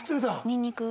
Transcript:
ニンニク。